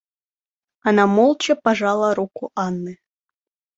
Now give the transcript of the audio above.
Она молча пожала руку Анны.